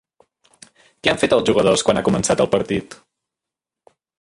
Què han fet els jugadors quan ha començat el partit?